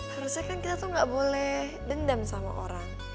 harusnya kan kita tuh gak boleh dendam sama orang